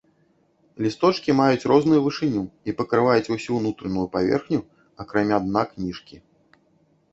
Лісточкі маюць розную вышыню і пакрываюць ўсю ўнутраную паверхню, акрамя дна кніжкі.